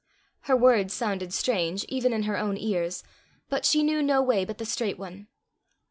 Her words sounded strange even in her own ears, but she knew no way but the straight one.